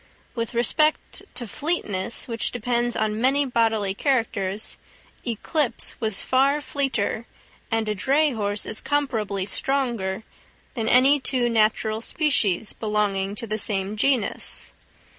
With respect to fleetness, which depends on many bodily characters, Eclipse was far fleeter, and a dray horse is comparably stronger, than any two natural species belonging to the same genus.